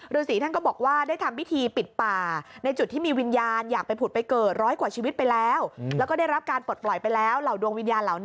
ฤษีท่านก็บอกว่าได้ทำพิธีปิดป่าในจุดที่มีวิญญาณอยากไปผุดไปเกิดร้อยกว่าชีวิตไปแล้ว